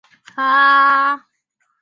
乔治湖著名于它的水位变化。